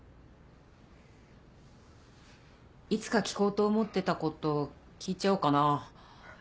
いつか聞こうと思ってたこと聞いちゃおうかな。